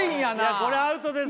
これアウトです